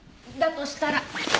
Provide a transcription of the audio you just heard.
としたら。